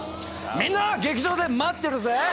みんな劇場で待ってるぜ！